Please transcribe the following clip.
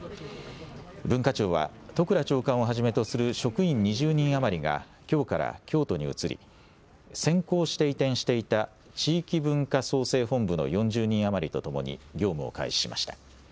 文化庁は、都倉長官をはじめとする職員２０人余りがきょうから京都に移り、先行して移転していた地域文化創生本部の４０人余りとともに業務を開始しました。